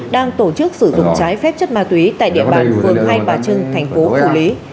đang tổ chức sử dụng trái phép chất ma túy tại địa bàn phường hai bà trưng thành phố phủ lý